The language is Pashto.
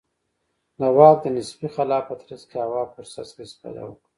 د واک د نسبي خلا په ترڅ کې هوا فرصت څخه استفاده وکړه.